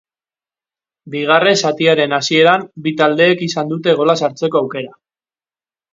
Bigarren zatiaren hasieran bi taldeek izan dute gola sartzeko aukera.